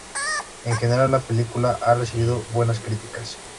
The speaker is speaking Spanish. En general, la película ha recibido buenas críticas.